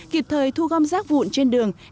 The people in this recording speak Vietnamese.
kịp thời thu gom rác vụn trên đường